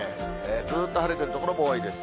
ずっと晴れている所も多いです。